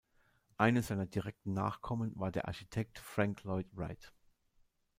Einer seiner direkten Nachkommen war der Architekt Frank Lloyd Wright.